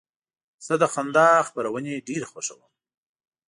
زه د خندا خپرونې ډېرې خوښوم.